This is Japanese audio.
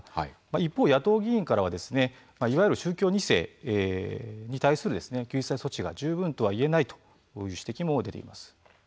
一方、野党議員からはいわゆる宗教２世に対する救済措置が十分とはいえないとこういう指摘も出ています。